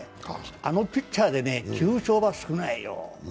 あのピッチャーで９勝は少ないよ。